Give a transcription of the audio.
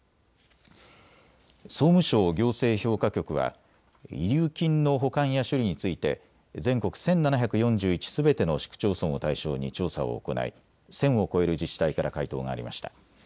総務省行政評価局は遺留金の保管や処理について全国１７４１すべての市区町村を対象に調査を行い１０００を超える自治体から回答がありました。